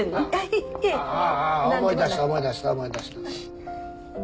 思い出した思い出した思い出した。